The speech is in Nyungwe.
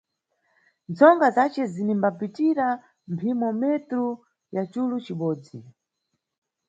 Ntsonga zace zinimbapitira mphimo metru ya culu cibodzi.